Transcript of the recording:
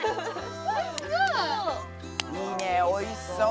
いいねおいしそう。